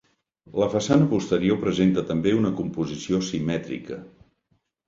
La façana posterior presenta també una composició simètrica.